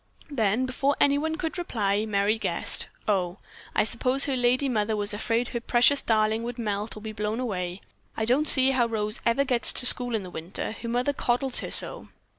Then before anyone could reply, Merry guessed: "O, I suppose her lady mother was afraid her precious darling would melt or be blown away! I don't see how Rose ever gets to school in the winter. Her mother coddles her so!"